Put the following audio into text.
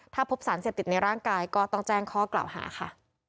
ถ้าพบสารเสพติดในร่างกายก็ต้องแจ้งข้อกล่าวหาค่ะ